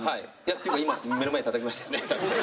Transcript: っていうか今目の前でたたきましたよね。